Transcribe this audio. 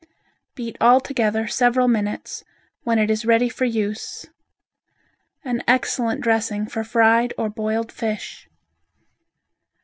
Beat all together several minutes, when it is ready for use. An excellent dressing for fried or broiled fish.